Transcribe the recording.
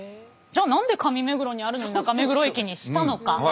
じゃあ何で上目黒にあるのに中目黒駅にしたのか。